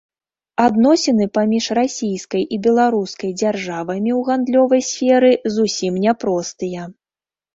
Адносіны паміж расійскай і беларускай дзяржавамі ў гандлёвай сферы зусім не простыя.